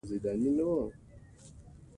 سیلابونه د افغانستان د ولایاتو په کچه توپیر لري.